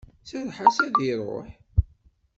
Serreḥ-as ad iruḥ.